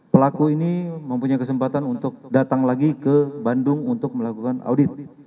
pelaku ini mempunyai kesempatan untuk datang lagi ke bandung untuk melakukan audit